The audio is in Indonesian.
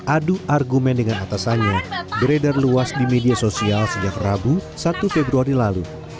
adu argumen dengan atasannya beredar luas di media sosial sejak rabu satu februari lalu